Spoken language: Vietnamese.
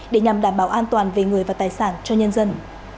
để nhằm đảm bảo an toàn về người và tài sản cho nhân dân